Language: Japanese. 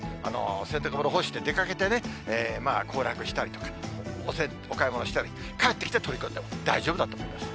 お洗濯もの干して出かけてね、行楽したりとか、お買い物したり、帰ってきて取り込んでも大丈夫だと思います。